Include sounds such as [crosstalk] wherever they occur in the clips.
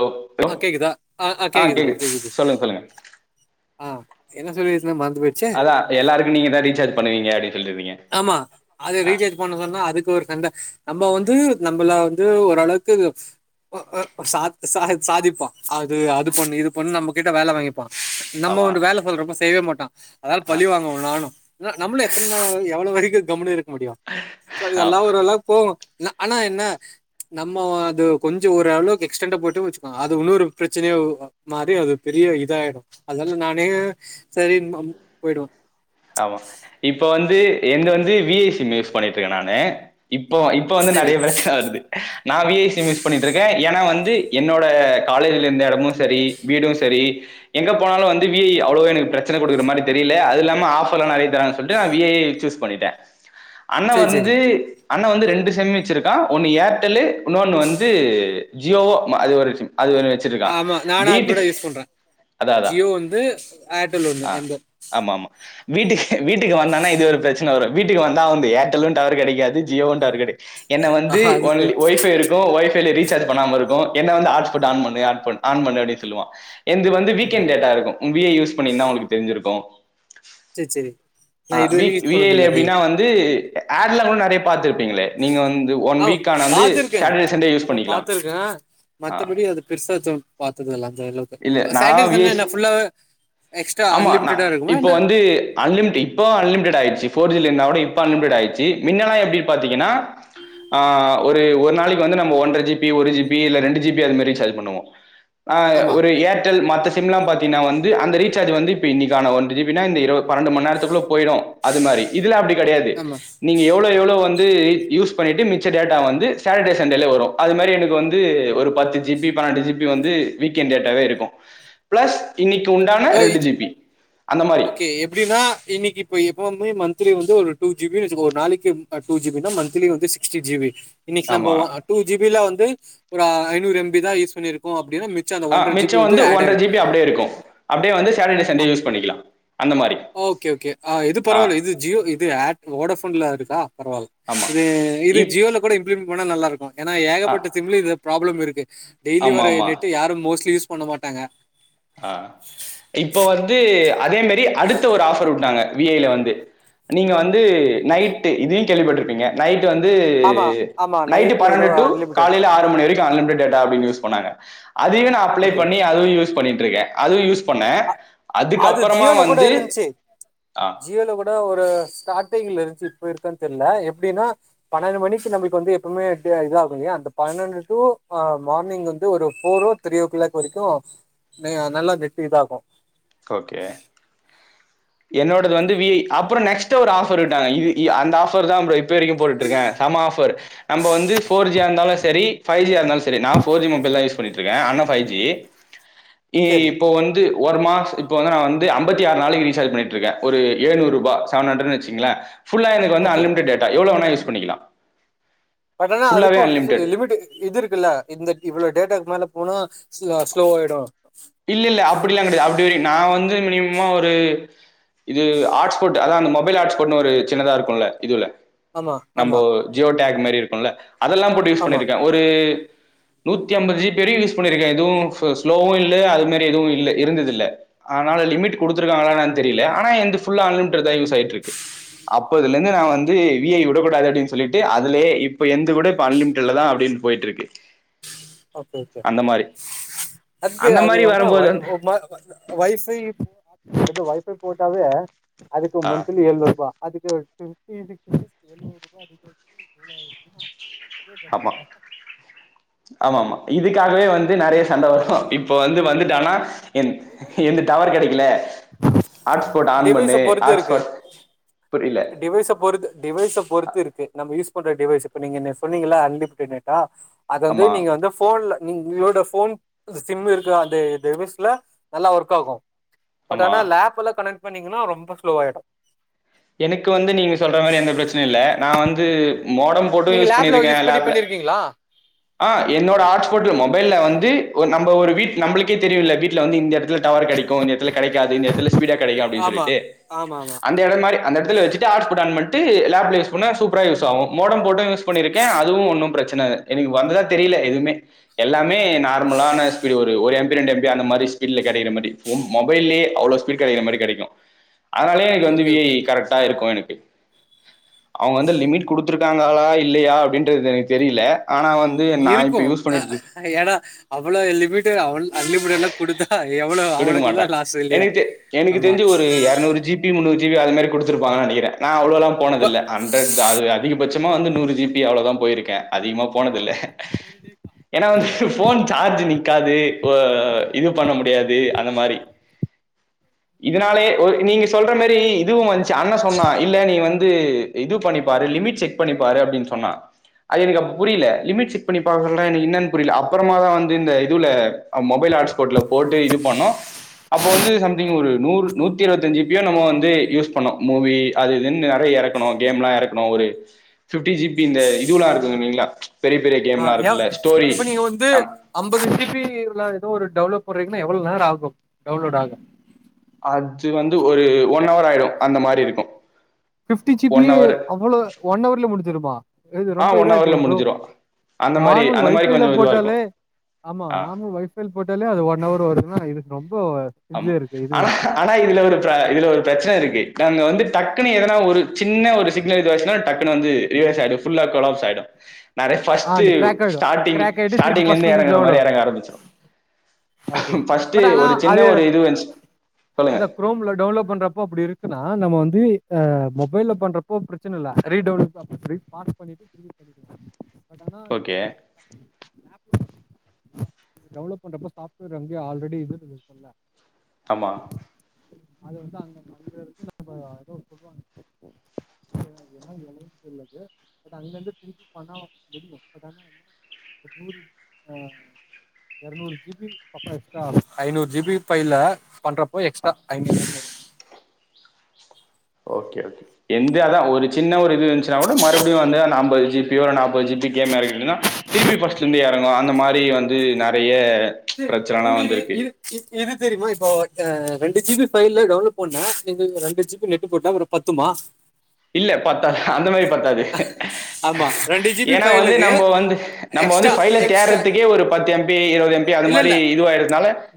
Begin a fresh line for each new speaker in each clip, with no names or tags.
Hello hello
அ கேக்குதா ஆ கேக்குது ப்ரோ கேக்குது ஆ என்ன சொல்லி
அதா எல்லாருக்கோ நீங்கதா ரீச்சார்ஜ் பண்ணுவங்க அப்டினு
ஆமா அத ரீசார்ஜ் பண்ண சொன்னா அதுக்கு ஒரு சண்ட நம்ம வந்து நம்மள வந்து ஓரளவுக்கு ஒ ஓ சாத் சா சாதிப்போ அது அது பண்ணு இது பண்ணு நம்ம கிட்ட வேல வாங்கிப் நம்ம
ஆமா
ஒரு வேல சொல்றப்ப செய்வே மாட்ட அதால
ஆ
பழிவாங்க நானோ நம்மளோ எத்தன நாளா எப் அவ்ளோ வரைக்கோ கம்முனு இரு முடிய சோ
ஆ
இதெல்லா ஒரளவுக்கு போவோ ஆனா என்ன நம்ம ஒ அது கொஞ்சோ ஓரளவுக்கு எக்ஸ்டண்டா போய்ட்டோனு வெச்சுக்கோங்க அது இன்னொரு பிரச்சனையா மாதிரி அது பெரிய இத ஆயிடோ அதால நானே [unintelligible]
ஆமா இப்போ வந்து எங்க வந்து விஐ சிம் யூஸ் பண்ணிட்டு இருக்க நானு இப்போ இப்ப வந்து
சரி,
நெறைய பிரச்சன வருது நா விஐ சிம் யூஸ் பண்ணிட்டு இருக்க ஏன்னா வந்து என்னோட காலேஜில இருந்த எடமு செரி வீடு செரி எங்க போனாலு வந்து விஐ அவ்ளோ எனக்கு பிரச்சன குடுக்கற மாரி தெரில அது இல்லாம ஆ போ நெறைய தறாங்கன்டு சொல்லிடு நா விஐ சூஸ் பண்ணிட்ட அண்ண
சரி, சரி.
வந்து அண்ணா வந்து ரெண்டு சிம் வெச்சுருக்கா ஒன்னு ஏர்டெல்லு இன்னொன்னு வந்து ஜியோவோ அது ஒரு சிம் அது ஒன்னு வச்சிருக்கா
ஆமா நானா
வீட்டுக்கு
[unintelligible] யூஸ் பண்ற
அதா அதா
ஜியோ வந்து ஏர்டெல் ஒன்னு
ஆ
எந்தோ
ஆமா ஆமா வீட்டுக்கு வீட்டுக்கு வந்தனா இது ஒரு பிரச்சன வரும் வீட்டுக்கு வந்தா வந்து ஏர்டெல்லு டவர் கெடைக்காது ஜியோவ டவர் கெடைக்காது என்ன வந்து
ஆஹ், அது சரி.
ஒன்லி ஒய்பை இருக்கு ஒய்பைல ரீச் ரிசார் பண்ணாம இருக்கு என்ன வந்து ஆட்ஸ்பாட் ஆன் பண்ணு ஆன் பண்ணூ அப்டின்னு சொல்லுவா எந்து வந்து
ஆமா.
வீக்கெண்ட் டேட்டா இருக்கு விஐ யூஸ் பண்ணிருந்திங்கன்னா உங்குளுக்கு தெரிஞ்சிருக்கு
சரி, சரி. நான்
ஆஹ் வி
இதுவரைக்கும் யூஸ்
விஐல
பண்ணதில்ல அப்டியே.
எப்டின்னா வந்து ஏட்லாம் கூட நெறைய பாத்துக்கலா ங்களே நீங்க வந்து ஒன்
ஆமா
வீக் ஆன வந்து
பாத்துருக்கேன்.
சாட்டர்டே சண்டே யூஸ்
அதான்
பண்ணிக்கலா
பாத்துருக்கேன். பாத்ததில்லா சாட்டடே சண்டே
விஐஸ்
என்ன புல்லாவே
ஆமா இப்ப வந்து அன்லிமிட் இப்ப அன்லிமிட் ஆயிருச்சு போர்ஜில இருந் அன்லிமிட்டே ஆயிருச்சு முன்ன எப்டி பாத்தீங்கன்னா ஒரு நாளைக்கு வந்து ஒன்டற ஜிபி ஒரு ஜிபி அது மாரி ரிசாஜ் பண்ணுவோ ஆ
ஆமா,
ஒரு ஏர்டெல் மத்த சிம் எல்லா பாத்தீங்கன்னா வந்து அந்த ரீட்ட அது வந்து இப்ப இன்னிக்கான ஒன்ற ஜிபி பன்னென்டு மணி நேரத்துக்குள்ள போயிடும் அது மாரி இதுல அப்டி இல்ல கெடயாது
ஆமா.
நீங்க எவ்ளோ எவ்ளோ வந்து யூஸ் பண்ணிட்டு மிச்ச டேட்டா வந்து சாட்டர்டே சண்டே வரு அது மாரி எனக்கு வந்து ஒரு பத்து ஜிபி பன்னென்டு ஜிபி ரேட்டவே இருக்கு பிலஸ் இன்னிக்கு உண்டான
ஓ!
ரெண்டு [inaudible]
ஓகே எப்டின்னா இன்னிக்கு இப்ப வந்து வ ஒரு டூ ஜிபி ஒரு நாளிக்கு டூ ஜிபினா மந்தலி வந்து சிக்ஸ்டி ஜிபி இன்னிக்கு
ஆமா.
நம்ம டூ ஜிபில வந்து ஒரு ஐநூறு எம்பி தா யூஸ் பண்ணியிருக்கோ அப்டி
ஆஹ் மிச்சம் வந்து ஒன்றர ஜிபி அப்டியே இருக்கு அப்டியே வந்து சாட்டர்டே
அ
சண்டே யூஸ் பண்ணிக்கலா
ஓகே ஓகே அ இது பரவால்ல இது ஜியோ இது ஏட் வோடஃபோன்ல இருக்கா பரவால்
ஆமா.
இது இது
இப்
ஜியோல கூட இம்ப்ளிம் மனா நல்லாருக்கு ஏனா ஏக
ஆ
பட்ட திம்ளி இது ப்ராப்ளம் இருக்கு டெய்லி வர
ஆமாமா.
நெட்டு யாரும் மோஸட்லி யூஸ் பண்ண மாட்டாங்க
அ இப்ப வந்து அதே மேரி அடுத்த ஒரு ஆஃப்பர் வுட்டாங்க வி ஐ ல வந்து நீங்க வந்து நைட்டு இதியு கேள்விப்பட்டிருப்பீங்க நை ட்டு வந்து
ஆமா, ஆமா.
நைட்டு
நைட்ல
பன்னெண்டு
ஏதோ
டூ
அன்லிமிடெட்.
காலைல ஆறு மணி வரை அன்லிமிடட் டேட்டா அப்டின் யூஸ் பண்ணாங்க அதையு நா அப்ளை
ஓகே.
பண்ணி அதுவு யூஸ் பண்ணி ட்ருக்கே அதுவு யூஸ் பண்ணே
அ அது ஜியோல கூட இருஞ்ச்சி
ஆ
ஜியோல கூட ஒரு ஸ்டாட்டிங்ல இருஞ்சி இப்ப இருக்கான் தெர்ல எப்டினா பன்னெண்டு மணிக்கு நம்ப இப்ப வந்து எப்புமே இத ஆகு இல்யா அந்த பன்னெண்டு டூ அ மானிங் வந்து ஒரு ஃபோரோ ஓ த்ரீ ஓ கிளாக் வரிக்கு ந நல்லா நெட்டு இதாகு
ஓகே என்னோடது வந்து வி ஜ அப்றோ நெக்ஸ்ட் ஒரு ஆஃபர் விட்டாங்க இது இ அந்த ஆஃபர் தா ப்ரோ இப்ப வரிக்கு போட்டுட்ருக்கே செம்ம ஆஃபர் நம்ப வந்து ஃபோர் ஜியா இருந்தாலு சரி ஃபைவ் ஜியா இருந்தாலு ஸ் சரி நா ஃபோர் ஜி மொபைல்தா யூஸ் பண்ணிட்ருகே ஆனா ஃபைவ் ஜி இ
சரி
இப்போ வந்து ஒரு மாச இப்ப வ நா வந்து ஐம்பத்தி ஆறு நாளக்கி ரீசார்ஜ் பண்ணிட்ருக்கே ஒரு ஏழ்நூறுபா செவன் ஹண்ரட்னு வெச்சுக்ங்ளே ஃபுல்லா எனக்கு வந்து
ஓகே
அன்லிமிடட் டேட்டா எவ்ளோ வேணா யூ பண்ணிக்கலா
பட் ஆனா அதுக்கு சு லிமிட் இது இருக்குல்ல இந்த இவ்ள டேட்டாக்கு மேல போனா ஸ் ஸ்லோ ஆயிடு
இல்லில்ல அப்டெல்லா கெடையா அப்டி வரி நா வந்து மினிமமா ஒரு இது ஆட்ஸ்போட் அதா அந்த மொபைல் ஆட்ஸ்போட்னு ஒரு சின்னதா இருக்குல்ல இதுல
ஆமா
நம்போ
ஆமா
ஜியோ டேக் மாரி இருக்குல்ல அதெல்லாம் போட்டு யூஸ்
ஆமா
பண்ணிருக்கே ஒரு நூத்தி அம்பது ஜி பி வரிகு யூஸ் பண்ணிருக்கே எதுவு ஃவு ஸ்லோவு இல் ல்ல அது மாரி எதுவு இல்ல இருந்ததில்ல ஆனால லிமிட்டு குடுத்திருக்காங்களா என்னன் தெரில ஆனா என்து ஃபுல்லா அன்லிமிடெட் தா யூஸ் ஆயிட்டுருக்கு அப்பதுலந்து நா வந்து வி ஐ விடக்கூடாது அப்டின் சொல்லிட்டு அதுலயே இப்ப என்து கூட இப்ப அன்லிமிடெட்ல தா அப்டின் போயிட்டு இருக்கு.
ஓகே ஓகே
அந்த
ஓகே
மாரி
அ த்து
அந்த
அது
மாரி
அப்பனா
வரும்போது
வை
வந்து
[unintelligible] வைஃபை [inaudible] போய் போட்டாவே அதுக்கு
ஆ
மந்த்லி ஏழுநூறுவா அதுக்கு ஃபிஃப்டி சிக்ஸீ எழுநூறுபா ரீசார்ஜ்
ஆமா
[inaudible] [unintelligible]
ஆமா ஆமா இதுக்காகவே வந்து நெறைய
பட்
சண்ட
ஆனா
வரு இப்போ வந்து
பட்
வந்துட்டானா
ஆனா
என்
டிவைஸை
எந்து
பொறுத்து
டவர்
இருக்கு
கெடைக்கல
ப்ரோ
ஹாட்ஸ்பாட் ஆன்
டிவைஷ
பண்ணு
பொறுத்து இருக்கு
ஹாட்ஸ்பாட் புரியல
டிவைஸை பொறுத் டிவைஸை பொறுத்து இருக்கு நம்ம யூஸ் பண் ற டிவைஸ் இப்ப நீங்க என் சொன்னீங்க அன்ளிமிடட் டேட்டா அது வந்து
ஆமா
நீங்க வந்து போன்ல நீங்க உங்களோட போன் சிம் இருக்கு அந்த டிவைஸ்ல நல்லா ஒர்க் ஆகு பட்
ஆமா
ஆனா லேப் எல்லா கனெக்ட் பண்ணீங்கன்னா ரொம்ப ஸ்லோ ஆயிடும்
எனக்கு வந்து நீங்க சொல்ற மாதிரி எந்த பிரச்சன இல்ல நா வந்து மோடம் போட்டும்
நீங்க
யூஸ்
லேப்ல
பண்ணியிருக்கே
யூஸ் பண்ணி
லேப்ல
பண்ணிருக்கீங்களா
ஆ என்னோட
ஓகே
ஹாட்ஸ்போட் மொபைல வந்து நம்ம ஒரு வீட் நம்ளுக்கே தெரியுல வீட்ல வந்து இந்த இட டவர் கிடைக்கும் இந்த இடத்துல கிடைக்காது இந்த இடத்துல ஸ்பீடா கிடைக்கும் அப்டின்னு
ஆமா
சொல்லிட்டு
ஆமா ஆமா
அந்த இடம் மாரி வச்சட்டு ஹாட்ஸ்பாட் ஆன் பண்ட்டு லாப்ல யூஸ் பண்ணா சூப்பராக யூஸாகும் மோடம் போட யூஸ் பண்ணிருக்கே அதுவு ஒன்னு பிரச்ச ன எனக்கு வந்ததா தெரியல எதுவுமே எல்லாமே நா ர்மலான ஸ்பீடு ஒரு ஒரு எம் ரெண்டு எம்பி அந்த மாரி ஸ்பீடல கிடைக்கற மாதிரி மொபைலே அவளோ ஸ்பீ்டு கிடைக்கற மாரி கிடைக்கு அதனாலயே எனக்கு வந்து
ஓகே
விஐ
ஓகே ஓகே
கட்டா இருக்கோ எனக்கு அவுங்க வந்து லிமிட் குடுத் விட்டுருக்காங்களா இல்லையா அப்படின்றது எனக்கு தெரியல ஆனா வந்து நான் இப்ப
இருக்கும்
யூஸ்
ஆ
பண்ணிட்டு
ஏன்னா அவ்ளோ லிமிட் அவ அன்லிமிட்லாம் குடுத்தா எ
குடுக்க மாட்டான் எனக்கு தெ எனக்கு
ஆமா.
தெரிஞ்சு ஒரு எரநூறு ஜிபி முன்னூறு ஜிபி டிவியு அது மாரி குடுத்துருப்பாங்கன்னு நெனக்கிறே ன்னா அவ்ளோல்லாம்
இப்ப
போனதில்ல ஹண்ட்ரட்தா அ அதிகபட்சமா வந்து நூறு ஜிபி அவ்வளோதான் போயிருக்கேன் அதிகமாக போனதில்லை ஏனா வந் போன் சார்ஜ் நிக்காது ஓ இது பண்ண முடியாது அந்த மாரி இதனாலயே ஓ நீங்க சொல்ற மாரி இதுவும் வந்ச்சி அண்ணண் சொன்னான் இல்ல நீ வந்து இது பண்ணி பாரு லிமிட் செக் பண்ணி பாரு அப்டின்னு சொன்னான் அது எனக்கு அப்ப புரியல லிமிட் செக் பண்ணி பாக்கணும்னா எனக்கு என்னானு புரில அப்பரமாதான் வந்து இதுல மொபைல் ஹாட்ஸ்பாட்ல போட்டு இது பண்ணோ அப்ப வந்து சம்திங்க் ஒரு நூறு நூத்தி இருவத்தஞ்சி ஜிபி என்னமோ வந்து யூஸ் பண்ணோம் மூவி அது இதுனு நறயா இறக்கனம் கேம்லா இறக்கனம் ஒரு பிப்டி ஜிபி இந்த இதுலாம் இருக்கு இல்லிங்களா
ஆ ஏவ இப்ப நீங்க ஒந்து ஐம்பது ஜிபி இதுல ஏதோ ஒரு டவுன்லோட் போறீங்கன்னா எவ்ளோ நேரோ ஆகு டவுன்லோடு ஆகு
அது வந்து ஒரு ஒன் அவர் ஆயிடு அந்த மாரி இருக்கு
ஃபிப்டி ஜிபியே அவ்ளோ ஒன் னவர்ல முடுஞ்சிருமா இது
ஆ
ரொம்ப
ஒன்
இதா
ஹவர்ல
இக்குது ப்ரோ
முடிஞ்சிரும் அந்த மாரி
நார்மல்
அந்த
ஒய்
மாரி
ஃபைல
கொஞ்சம் இதுவா இருக்கும்
போட்டாலே ஆமா
ஆ
நார்மல் ஒய் ஃபைல் போட்டாலே அது ஒன்னவர் வரு இன்னா இருக்கோம்
அம் ஆனா ஆனா இதுல ஒரு இதுல ஒரு பிரெச்சன இருக்கு நாங்க வந்து டக்குன்ன எதன ஒரு சின்ன ஒரு சிக்னல் இதாச்சுனா டக்கு வந்து ரிவஸ் ஆயிடு ஃபுல்லா கொலாப்ஸ் ஆய்டு நாரே
ஆ
ஃபஸ்ட்
அந்த கிராக் ஆயிடும்.
ஸ்டாடிங்
கிராக் ஆயிட்டு திருப்பி
ஸ்டாடிங்
ஃபர்ஸ்ட்ல
இருந்து எறங்கற மாரி
டவுன்லோட்
எறங்க ஆரெமெச்சு
ஓகே.
ஃபஸ்ட்
பட் ஆனா
ஒரு சின்ன
அது
ஒரு இது வந்துச்சு சொல்லுங்க
அத குரோம்ல டவுன்லோட் பண்றப்பே அப் இருக் எதுக்னா நம்ம வந்து அ மொபைல பண்றப்போ பிரச்சன இல்ல ரீ டவுன்லோட் ரீ பாஸ் பண்ணி
ஓகே
டான்லோடு பண்றப்ப சாஃப்ட்வேர் அங்கேயே ஆல்ரெடி இது இருக்குல
ஆமா
அது வந்து அங்க அங்க இருந்து நம்ம ஏதோ சொல்லுவாங்க அது என்னனு எனக்கு தெரியல அது பட் அங்க இருந்து திருப்பி பண்ணா தெரியும் பட் ஆனா நூறு எறநூறு ஜி பி அப்பே எக்ஸ்ட்ரா ஐநூறு ஜி பி பைல பண்றப்போ
ஆ
எக்ஸ்ட்ரா ஐநூறு
ஓகே ஓகே ஏந்து அதா ஒரு சின்ன ஒரு இருந்ச்சுனாகூட மறுபடியு வந்த அந்த அம்பது ஜி ப் பியோ நாப்பது ஜி பி கேம் எறக்கிடோனா திருப்பி ஃபஸ்ட்லருந்து எறங்கு அந்த மாரி வந்து நெறையே
சே இது உங்களுக்கு இது இது தெரியுமா இப்போ ரெண்டு ஜி பி ஃப்பைல்ல டவுன்லோட் பண்ண நீங்க ரெண்டு ஜி பி நெட் போட்டா அப்றோ பத்துமா
இல்ல பத்தாது அந்த மாரி பத்தாது
ஆமா ரெண்டு ஜிபி
ஏன்னா வந்து
ஃபைலுக்கு
நம்ம வந்து நம்ம வந்து
எக்ஸ்ட்ரா
ஃப்பைல
எக்ஸ்ட்ரா
தேடறதுக்கே ஒரு பத்து எம் பி இருவது எம் பி அந்த
இல்ல
மாரி
இல்ல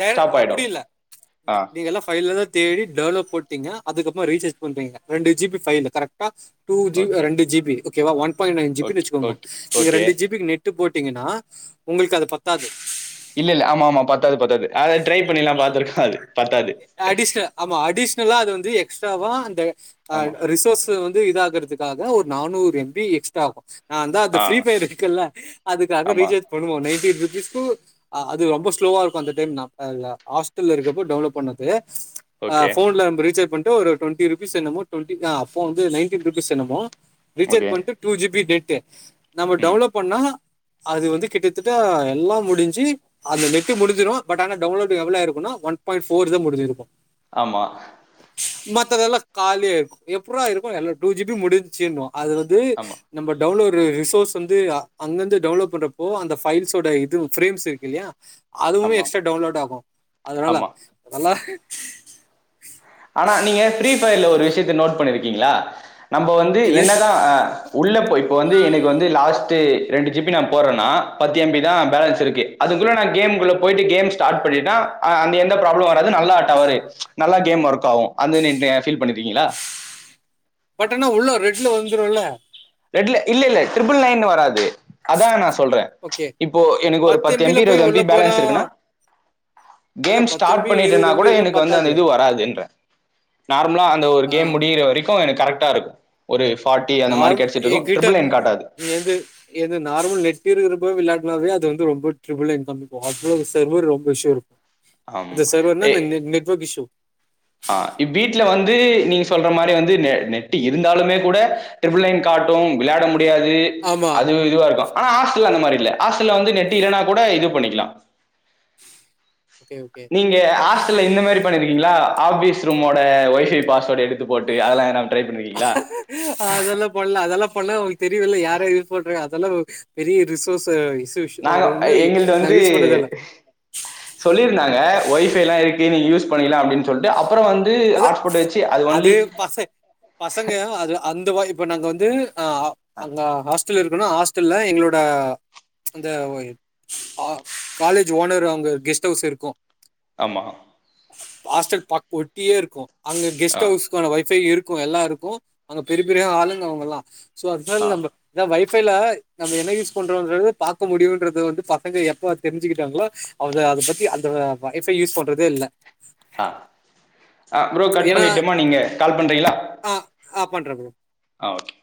டேர் அப்டி இல்ல
ஆ
நீங்க எல்லா ஃப்பைலலா தேடி டேவலப் போட்டீங்க அதுக்கு அப்போ ரீசார்ஜ் பண்றீங்க ரெண்டு ஜி பி ஃப்பைலு கரெக்டா டூ ஜி
ஓகே
ரெண்டு ஜி பி ஓகேவா one point nine G B
okay
வெச்சுக்கோங்க
ஓகே
நீங்க
ஓகே
ரெண்டு ஜி பிக்கு நெடட்டு போட் டேங்கன்னா உங்களுக்கு அது பத்தாது
இல்ல இல்ல ஆமா ஆமா பத்தாது பத்தாது அத ட்ரை பண்ணிலா பாத்துருக்காரு
அடிஷ்னல் ஆமா அடிஷனலா அது வந்து எக்ஸ்ட்ராவா அந்த
ஆமா
ரிசோர்ஸ் வந்து இத ஆகறது க்காக ஒரு நானூறு எம் பி எக்ஸ்ட்ரா ஆகு நாதா அந்த
ஆ
பிரீ பயர் இருக்குல்ல அதுக்காக
ஆமா
ரீசார்ஜ் பண்ணுவோ நைடே ரிஸ்க்கு அது ரொம்ப ஸ்லோவா இருக்கூ அந்த டைம் ஹாஸ்டல்ல இருக்கப்ப டெவலப் பண்ணது ஆ
ஓகே
ஃபோன்ல நம்ப ரீச்சார்ஜ் பண் ஒரு ட்வெண்டி ருபீஸ் என்னமோ ட்வெண்டி ஆ அப்போ வந்து நைன்டீன் ருபீஸ் என்னமோ ரீச்சார்
ஓகே
பண்ட்டு டூ ஜீ பி டேட் கே நம்ம
ம்
டெவலப் பண்ணா அது வந்து கிட்டத்தட்ட எல்லா முடிஞ்சு அது நெட்டு முடிஞ்சிரு பட் ஆனா டவுன்லோடு எவ்ளோ ஆய்ருக்குனா ஒன் பாயிண்ட் ஃப் ஃபோர் தா முடிஞ்சிருக்கு
ஆமா
த்ததெல்லா காலியாய்ருக்கு எப்புர்றா இருக்கு ஆனா டூ ஜீ பி முடிஞ்சின்வா அது வந்து
ஆமா
நம்ப டவுன்லோட் ஒரு ரிசோர்ஸ் வந்து அ அங்கந்து டவ்ன்லோட் பண்றப்போ அந்த ஃபைல்ஸோட இது ஃபிரேம்ஸ் இருக்குல்லியா அதுவுமே
ஆமா
எக்ஸ்ட்ரா டவுன்லோட் ஆகு அதனால
ஆமா
நல்லா
ஆனா நீங்க ஃப்ரீபயர்ல ஒரு விஷயத்த நோட் பண்ணிருக்கீங்களா நம்ப வந்து
இது
என்ன தா அ உள்ளப் போய் இப்போ வந்து எனக் வந்து லாஸ்ட் டு ரெண்டு ஜு பி நா போற்றன்னா பத்து எம் பி தா பேலன்ஸ் இருக்கு அதுக்குள்ள நா கேம்குள்ள பொய்ட்டு கேம் ஸ்டாரனட் பண்ணிட்டா அந்த எந்த ப்ராபுளமு வராது நல்லா டவரு நல்லா கேம் ஒர்க் ஆவு [unintelligible] ஃபீல் பண்ணிருக்கீங்ளா
பட் ஆனா உள்ள ரெட்ல வந்துரூல
ரெட்ல இல்ல இல்ல ட்ரிபிள் நைன்னு வராது அதான நா சொல்றே ச்ச்
ஓகே
இப்போ எனக்கு ஒரு பத்து
எம்பில
எம்பி
போய்
இருவது எம்பி
உள்ள போனா
பேலன்ஸ் இருக்குனா கேம்
அதான் பத்து
ஸ்டாட்
எம்பி
பண்ணிட்டனா
இருபது
கூட
எம்பி எல்லாம்
எனக்கு வந்து
பத்தாது
அந்த இது வராதுன்ற நார்மலா அந்த ஒரு
ஆ
கேம் முடியுற வரைக் [unintelligible] எனக் கரெக்டா இருக்கூ ஒரு பாட்டி அந்தமாரி [unintelligible]
ஏன் கிட்ட எது எது நார்மல் நெட் இருக்கிற [unintelligible] விளாட்னாவே அது வந்து ரொம்ப டிரிபிள் நைன்தா [unintelligible] அவ்ளோ சர்வர் ரொம்ப இஸ்யூ இருக்கூ
ஆமா.
அந்த சர்வர்னா
எ
இந்த ந நெட்வொர்க் இஸ்யூ
ஆ வீட்ல வந்து நீங்க சொல்ற மாரி வந்து ந நெட்டு இருந்தாலுமே கூட ட்ரிபிள் நைன் காட்டு விளாட முடி யாது
ஆமா
அது இதுவா இருக்கூ ஆனா ஹாஸ்ட்ல்ல அந்த மாரில்ல ஹாஸ்டல்ல வந்து நெட் இல்லன்னா கூட இதுவ் பண்ணிக்கலா
ஓகே ஓகே
நீங்க ஹாஸ்டல்ல இந்த மாரி பண்ணிருக்கீங் டிங்ளா ஆஃபீஸ் ரூமோட ஒய்ஃபை பாஸ்வேர்டு எடுத் த்து போட்டு அதெல்லா யாராவ்து ட்ரை பண்ணிருக்கீங்ளா
அதெல்லாம் பண்ணல அதெல்லாம் பண்ணா அவங்களுக்கு தெரியூல்ல யாரா யூஸ் பண்றாங்க அதெல்லா பெரிய ரிசோர்ஸ் இஷ்யூ
நாங்க
ஒரு
அ
ஒன்று
எங்கள்ட்ட
நான்
வந்து
யூஸ் பண்ணதில்ல
சொல்லிருந்தாங்க ஒய்ஃபைலா இருக்கு நீங்க யூஸ் பண்ணிக்லா அப்டின் சொல்ட்டு அப்
அது அது பச பசங்க அது அந்த வைப் இப்ப நாங்க வந்து அ ஆஹ் அந்த ஹாஸ் ஃபில் இருக்குனா ஹாஸ்டல்ல எங்ளோட அந்த வோ இர் ஆ காலேஜு ஓனர் அவுங்க கெஸ்ட்டவ்ஸ் இருக்கு
ஆமா
ஆஸ்டல் பக் ஒட் டியே ருக்கு அங்க கெஸ்ட் அவ்ஸ்க்கான ஒய்ஃபை இரு க்கு எல்லாருக்கு அங்க பெரி பெரியா ஆளுங்க அவுங்கல்லா சோ
ஆ
அத்னால நம்ப தா வைஃப் ஃபைல நம்ம என்ன யூஸ் பண்றோன்றது பாக்க முடியுன்றது வந்து பசங்க எப்போ தெரிஞ்சுக்கிட்டாங்ளோ அவங்க அத பத்தி அந்த ஆ பா ஒய்ஃபை யூஸ் பண்றது இல்ல
அஹ் அஹ் ப்ரோ கட் பண்ணிட்டுமா நீங்க கால் பண்றீங்களா
அஹ் ஹ அஹ் பண்றேன் ப்ரோ
ஆ ஓகே